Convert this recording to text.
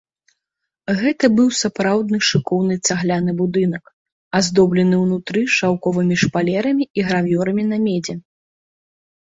Гэта быў сапраўдны шыкоўны цагляны будынак, аздоблены ўнутры шаўковымі шпалерамі і гравюрамі на медзі.